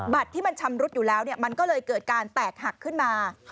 ที่มันชำรุดอยู่แล้วมันก็เลยเกิดการแตกหักขึ้นมา